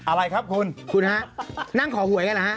อะไรครับคุณคุณฮะนั่งขอหวยกันเหรอฮะ